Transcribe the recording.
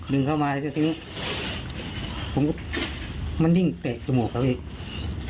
ดึงเข้ามาแล้วก็ดึงมันยิ่งเตะจมูกแล้วอีก